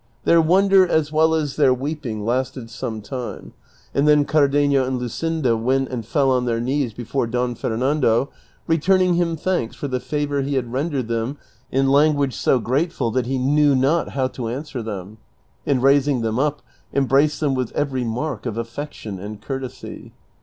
Their wonder as well as their weeping lasted some time, and then Cardenio and Luscinda went and fell on their knees before Don Fernando, returning him thanks for the favor he had rendered them in language so grateful that he knew not how to answer them, and raising them up embraced them with every mark of affection and courtesy.